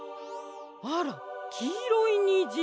あらきいろいにじ。